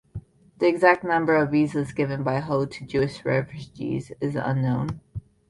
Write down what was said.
The exact number of visas given by Ho to Jewish refugees is unknown.